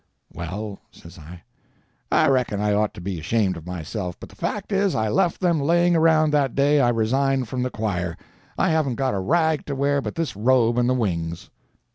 "Well," says I, "I reckon I ought to be ashamed of myself, but the fact is I left them laying around that day I resigned from the choir. I haven't got a rag to wear but this robe and the wings."